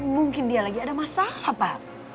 mungkin dia lagi ada masalah pak